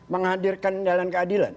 menghadirkan jalan keadilan